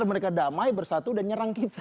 kalau damai bersatu udah nyerang kita